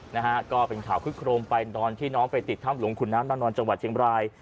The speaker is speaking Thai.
นะฮะก็เป็นข่าวคึกโครมไปตอนที่น้องไปติดถ้ำหลวงขุนน้ำนางนอนจังหวัดเชียงบราย